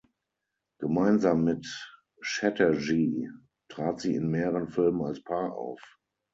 Gemeinsam mit Chatterjee trat sie in mehreren Filmen als Paar auf.